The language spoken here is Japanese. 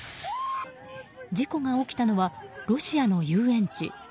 事故が起きたのはロシアの遊園地。